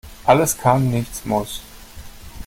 Alles kann, nichts muss.